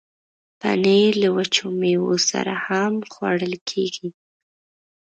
پنېر له وچو میوو سره هم خوړل کېږي.